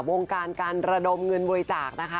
วงการการระดมเงินบริจาคนะคะ